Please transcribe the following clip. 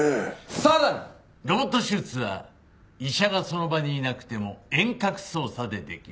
さらにロボット手術は医者がその場にいなくても遠隔操作でできる。